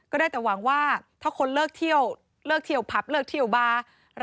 ได้แต่หวังว่าถ้าคนเลิกเที่ยวเลิกเที่ยวผับเลิกเที่ยวบาร์